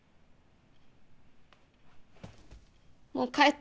もう帰って。